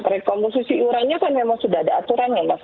rekomposisi iurannya kan memang sudah ada aturan ya mas